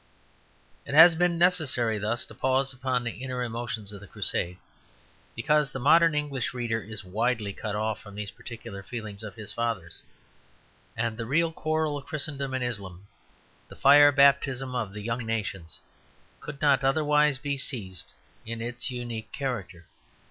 It has been necessary thus to pause upon the inner emotions of the Crusade, because the modern English reader is widely cut off from these particular feelings of his fathers; and the real quarrel of Christendom and Islam, the fire baptism of the young nations, could not otherwise be seized in its unique character.